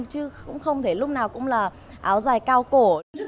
chứ cũng không thể lúc nào cũng là áo dài cao cổ